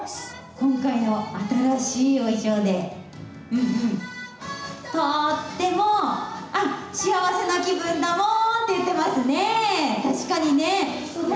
今回の新しい衣装でとても幸せな気分だモン！と言っていますね。